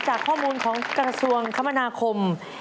จากข้อมูลของกระทรวงคมนาคม